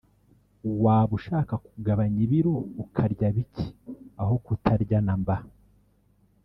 waba ushaka kugabanya ibiro ukarya bike aho kutarya namba